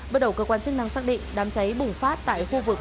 bước đầu cơ quan chức năng xác định đám cháy bùng phát tại khu vực